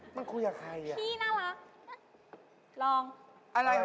มันคุยกับใครน่ะพี่น่ารัก